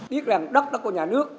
tiếc rằng đất đó của nhà nước